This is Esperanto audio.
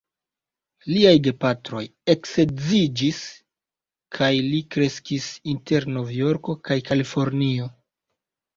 Liaj gepatroj eksedziĝis, kaj li kreskis inter Novjorko kaj Kalifornio.